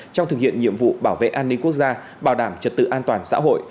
trong thực hiện nhiệm vụ bảo vệ an ninh quốc gia bảo đảm trật tự an toàn xã hội